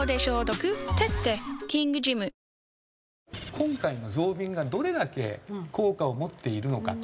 今回の増便がどれだけ効果を持っているのかと。